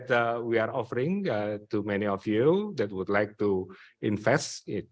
berdiri dari fasilitas kesehatan fasilitas pendidikan dan kesehatan atau mungkin ofis dan pengembangan berguna